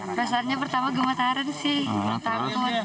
perasaannya pertama gemetaran sih takut